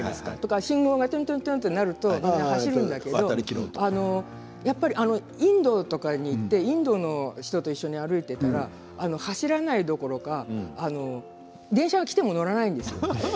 信号が点滅すると走るんだけどインドとかに行ってインドの人が歩いていたら走らないどころか電車が来ても乗らないんですよ。